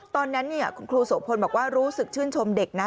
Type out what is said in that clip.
ตอนนั้นคุณครูโสพลบอกว่ารู้สึกชื่นชมเด็กนะ